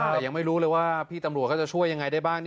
แต่ยังไม่รู้เลยว่าพี่ตำรวจเขาจะช่วยยังไงได้บ้าง